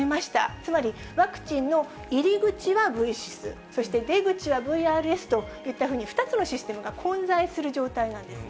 つまりワクチンの入り口はブイシス、そして出口はＶＲＳといったふうに、２つのシステムが混在する状態なんですね。